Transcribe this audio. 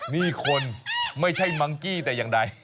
นี่คนไม่ใช่มังกี้แต่อย่างใด